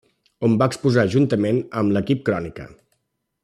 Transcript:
On va exposar juntament amb l'Equip Crònica.